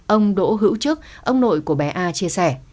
ông đỗ hữu trước ông nội của bé a chia sẻ